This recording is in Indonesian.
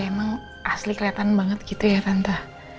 emang asli keliatan banget gitu ya tante